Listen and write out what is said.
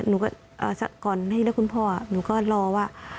หนูก็สักก่อนที่เรียกคุณพ่อหนูก็รอว่า